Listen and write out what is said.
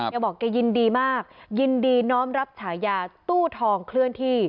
แกบอกแกยินดีมากยินดีน้อมรับฉายาตู้ทองเคลื่อนที่